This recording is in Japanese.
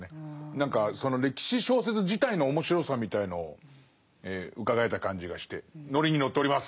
何かその歴史小説自体の面白さみたいのを伺えた感じがしてノリに乗っております。